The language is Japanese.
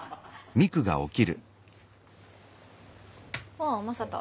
ああ正門。